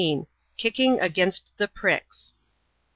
KICKING AGAINST THE PRICKS.